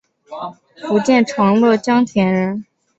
福建长乐江田人。